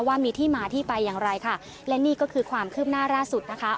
ว่ามีที่มาที่ไปอย่างไรค่ะและนี่ก็คือความคืบหน้าล่าสุดนะคะ